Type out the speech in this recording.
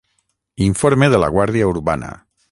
Informe de la guàrdia urbana.